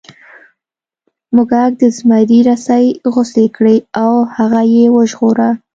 موږک د زمري رسۍ غوڅې کړې او هغه یې وژغوره.